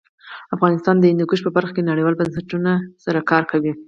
افغانستان د هندوکش په برخه کې نړیوالو بنسټونو سره کار کوي.